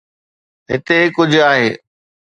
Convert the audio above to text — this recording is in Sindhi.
هتي ڪجهه آهي.